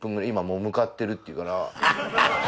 今もう向かってるって言うから。